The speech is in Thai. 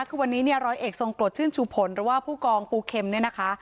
คือวันนี้เนี่ยร้อยเอกทรงกรดชื่นชูผลหรือว่าผู้กองปูเข็มเนี่ยนะคะ